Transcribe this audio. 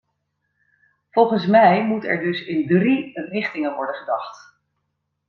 Volgens mij moet er dus in drie richtingen worden gedacht.